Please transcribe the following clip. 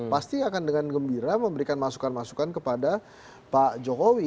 pasti akan dengan gembira memberikan masukan masukan kepada pak jokowi